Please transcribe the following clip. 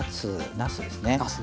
なすですねはい。